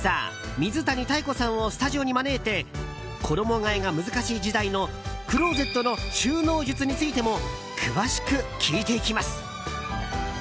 水谷妙子さんをスタジオに招いて衣替えが難しい時代のクローゼットの収納術についても詳しく聞いていきます。